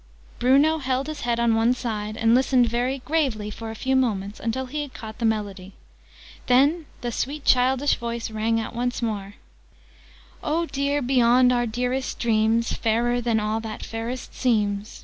Bruno held his head on one side, and listened very gravely for a few moments until he had caught the melody. Then the sweet childish voice rang out once more: "Oh, dear beyond our dearest dreams, Fairer than all that fairest seems!